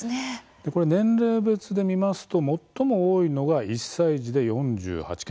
年齢別で見ますと最も多いのが１歳児で４８件。